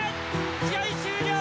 試合終了